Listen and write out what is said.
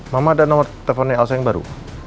mama ada nomor teleponnya elsa yang baru